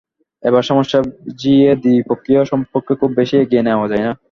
এসব সমস্যা জিইয়ে দ্বিপক্ষীয় সম্পর্ক খুব বেশি এগিয়ে নেওয়া যায় না।